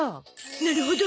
なるほど。